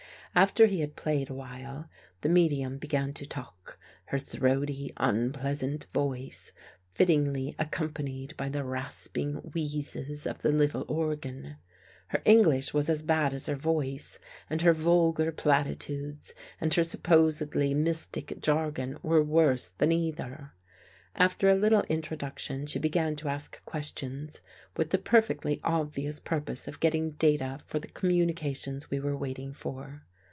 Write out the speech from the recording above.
After he had played a while, the medium began to talk, her throaty unpleasant voice fittingly accompanied by the rasping wheezes of the little organ. Her English was as bad as her voice, and her vulgar platitudes and her supposedly mystic jargon were worse than either. After a little in troduction she began to ask questions, with the per fectly obvious purpose of getting data for the com munications we were waiting for.